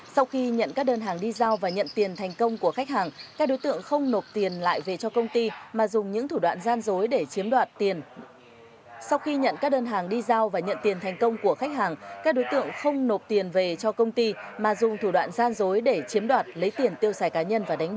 sau khi nhận các đơn hàng đi giao và nhận tiền thành công của khách hàng các đối tượng không nộp tiền lại về cho công ty mà dùng những thủ đoạn gian dối để chiếm đoạt tiền